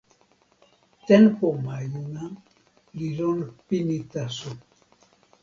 tenpo majuna li lon pini taso.